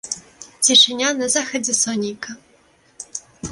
Цішыня на захадзе сонейка.